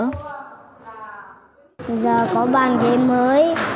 bây giờ có bàn ghế mới